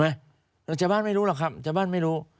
เห็นไหมชาบ้านไม่รู้หรอกครับชาบ้านไม่รู้